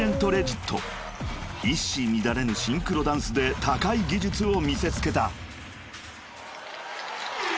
［一糸乱れぬシンクロダンスで高い技術を見せつけた］